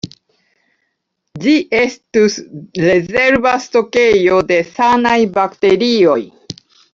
Ĝi estus rezerva stokejo de sanaj bakterioj.